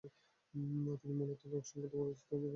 তিনি মূলত লোক সঙ্গীত-এ পারদর্শিতা অর্জন করেন।